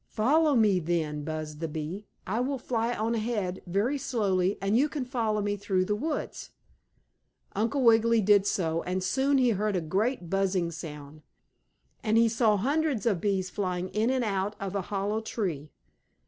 "Follow me, then," buzzed the bee. "I will fly on ahead, very slowly, and you can follow me through the woods." Uncle Wiggily did so, and soon he heard a great buzzing sound, and he saw hundreds of bees flying in and out of a hollow tree.